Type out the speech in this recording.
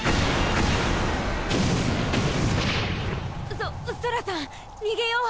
ソソラさんにげよう！